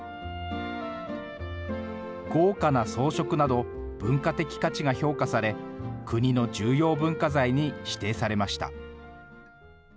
豪華な装飾など、文化的価値が評価され、国の重要文化財に指定されました。